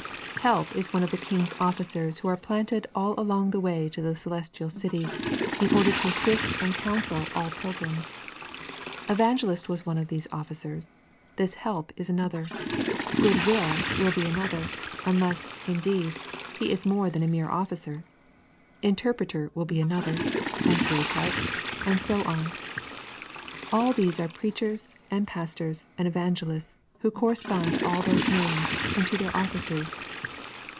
Help is one of the King's officers who are planted all along the way to the Celestial City, in order to assist and counsel all pilgrims. Evangelist was one of those officers; this Help is another; Goodwill will be another, unless, indeed, he is more than a mere officer; Interpreter will be another, and Greatheart, and so on. All these are preachers and pastors and evangelists who correspond to all those names and all their offices.